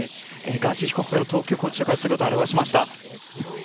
ガーシー被告が東京拘置所から姿を現しました。